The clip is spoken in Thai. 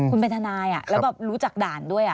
คุณเป็นทนายแล้วแบบรู้จักด่านด้วย